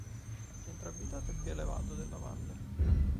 Il centro abitato è il più elevato della valle.